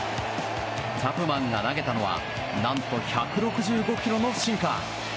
チャプマンが投げたのは何と１６５キロのシンカー。